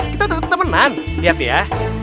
kita temenan lihat ya